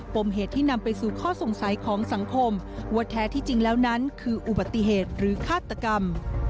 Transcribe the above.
มเหตุที่นำไปสู่ข้อสงสัยของสังคมว่าแท้ที่จริงแล้วนั้นคืออุบัติเหตุหรือฆาตกรรม